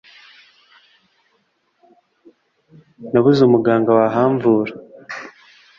nabuze umuganga wahamvura